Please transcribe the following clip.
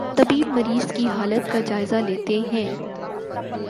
طبیب مریض کی حالت کا جائزہ لیتے ہیں